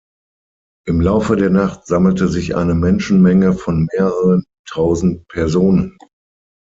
Im Laufe der Nacht sammelte sich eine Menschenmenge von mehreren tausend Personen.